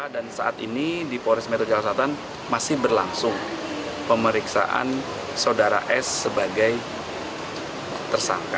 dan saat ini di polres metro jakarta selatan masih berlangsung pemeriksaan sodara s sebagai tersangka